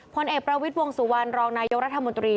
ผลเอกประวิทย์วงสุวรรณรองนายกรัฐมนตรี